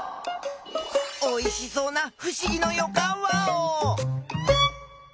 おいしそうなふしぎのよかんワオ！